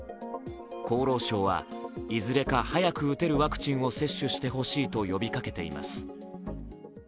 厚労省はいずれか早く打てるワクチンを接種してほしいと呼びかけています。